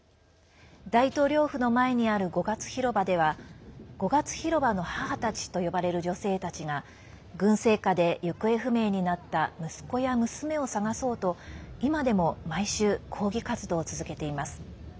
大統領府の前にある五月広場では五月広場の母たちと呼ばれる女性たちが軍政下で行方不明になった息子や娘を捜そうと今でも毎週抗議活動を続けています。